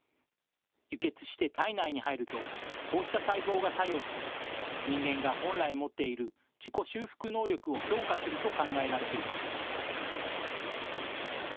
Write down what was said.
輸血して体内に入ると、こうした細胞が作用し、人間が本来持っている自己修復能力を強化すると考えられています。